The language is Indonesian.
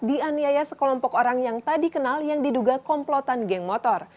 dianiaya sekelompok orang yang tadi kenal yang diduga komplotan geng motor